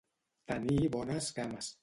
Tenir bones cames.